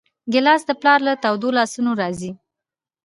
ګیلاس د پلار له تودو لاسونو راځي.